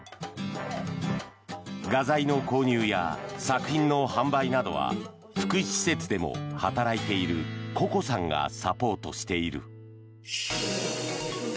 画材の購入や作品の販売などは福祉施設でも働いているココさんがサポートしている。